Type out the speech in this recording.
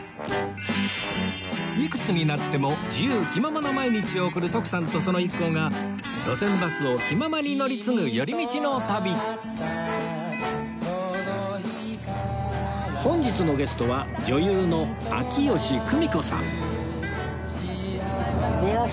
いくつになっても自由気ままな毎日を送る徳さんとその一行が路線バスを気ままに乗り継ぐ寄り道の旅本日のゲストは女優の秋吉久美子さん